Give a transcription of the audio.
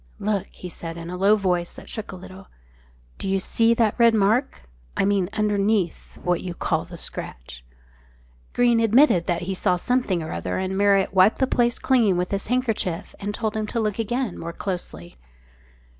"Look," he said, in a low voice that shook a little. "Do you see that red mark? I mean underneath what you call the scratch?" Greene admitted he saw something or other, and Marriott wiped the place clean with his handkerchief and told him to look again more closely.